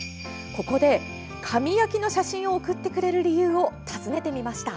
ここで紙焼きの写真を送ってくれる理由を尋ねてみました。